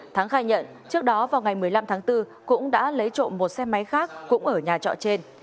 thắng khai nhận trước đó vào ngày một mươi năm tháng bốn cũng đã lấy trộm một xe máy khác cũng ở nhà trọ trên